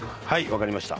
分かりました。